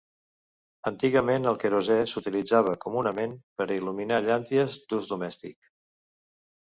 Antigament el querosè s'utilitzava comunament per a il·luminar llànties d'ús domèstic.